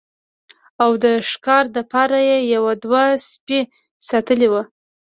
او د ښکار د پاره يې يو دوه سپي ساتلي وو